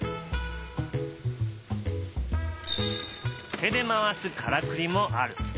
手で回すからくりもある。